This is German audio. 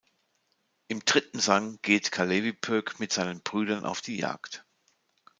Im dritten Gesang geht Kalevipoeg mit seinen Brüdern auf die Jagd.